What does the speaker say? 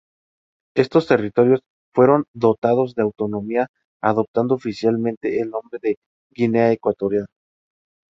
Estos territorios fueron dotados de autonomía, adoptando oficialmente el nombre de Guinea Ecuatorial.